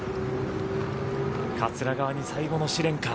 桂川に最後の試練か。